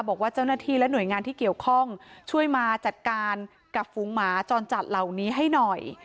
บอกว่าเจ้าหน้าที่และหน่วยงานที่เกี่ยวข้องช่วยมาจัดการกับฝูงหมาจรจัดเหล่านี้ให้หน่อย